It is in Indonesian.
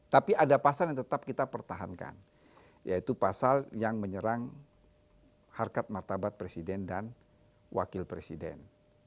tapi ada pasal yang tetap kita pertahankan yaitu pasal yang menyerang harkat martabat presiden dan wakil presiden